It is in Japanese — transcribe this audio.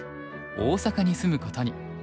大阪に住むことに。